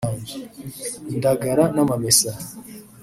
indagara n’amamesa